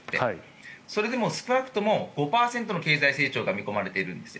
それでも少なくとも５％の経済成長が見込まれているんです。